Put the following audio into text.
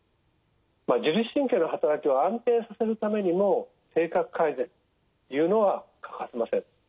自律神経のはたらきを安定させるためにも生活改善というのは欠かせません。